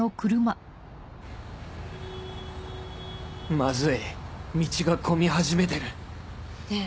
まずい道が混み始めてるねぇ。